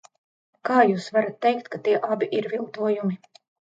Kā jūs varat teikt, ka tie abi ir viltojumi?